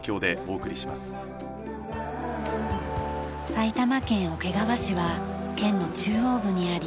埼玉県桶川市は県の中央部にあり